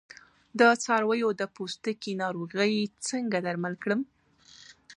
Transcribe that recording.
د څارویو د پوستکي ناروغۍ څنګه درمل کړم؟